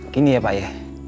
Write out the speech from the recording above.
gini ya pak ya